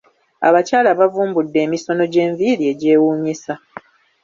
Abakyala bavumbudde emisono gy’enviri egyewuunyisa.